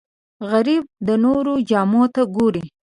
غریب د نورو جامو ته ګوري